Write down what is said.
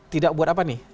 tidak buat apa nih